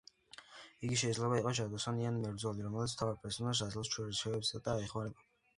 იგი შეიძლება იყოს ჯადოსანი ან მებრძოლი, რომელიც მთავარ პერსონაჟს აძლევს რჩევებს და ეხმარება.